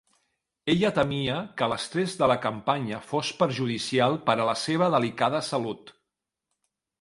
Ella temia que l'estrès de la campanya fos perjudicial per a la seva delicada salut.